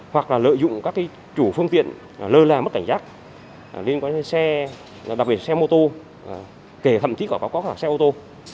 hoặc là lợi dụng các chủ phương tiện lơ la mất cảnh giác liên quan đến xe đặc biệt xe mô tô kể thậm chí có xe mô tô